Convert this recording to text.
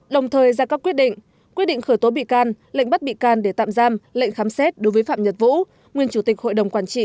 đồng thời ra các quyết định quyết định khởi tố bị can lệnh bắt bị can để tạm giam lệnh khám xét đối với phạm nhật vũ nguyên chủ tịch hội đồng quản trị